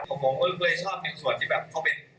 ผมก็เลยชอบหนึ่งส่วนที่แบบเขาเป็น